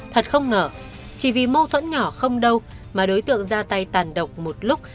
thật không ngở chỉ vì mâu thuẫn nhỏ không đâu mà đối tượng ra tay tàn độc một lúc